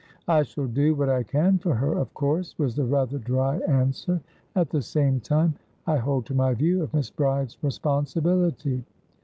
"I shall do what I can for her, of course," was the rather dry answer. "At the same time, I hold to my view of Miss Bride's responsibility.